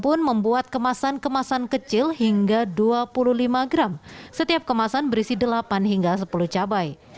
pun membuat kemasan kemasan kecil hingga dua puluh lima gram setiap kemasan berisi delapan hingga sepuluh cabai